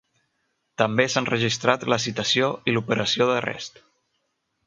També s'han registrat la citació i l'operació d'arrest.